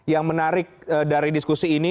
yang menarik dari diskusi ini